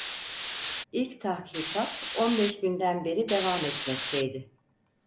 İlk tahkikat on beş günden beri devam etmekteydi.